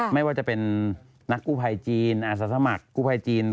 ไม่ว่าจะเป็นนักกู้ภัยจีนอาสาสมัครกู้ภัยจีน